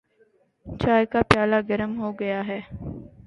چائے کا پیالہ گرم ہوگیا ہے۔